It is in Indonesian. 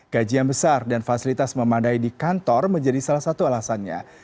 gaji yang besar dan fasilitas memadai di kantor menjadi salah satu alasannya